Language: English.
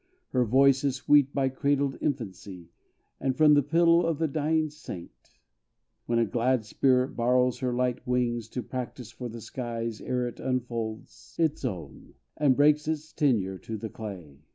Her voice is sweet by cradled infancy, And from the pillow of the dying saint, When a glad spirit borrows her light wings To practise for the skies, ere it unfolds Its own, and breaks its tenure to the clay.